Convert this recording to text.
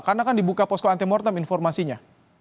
karena kan dibuka posko antemortem informasinya